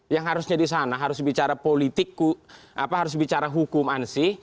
yang harusnya di sana harus bicara politik harus bicara hukum ansih